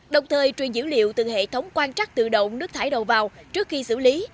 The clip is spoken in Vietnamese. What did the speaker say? đồng thời truyền dữ liệu từ hệ thống quan trắc tự động nước thải đầu vào trước khi xử lý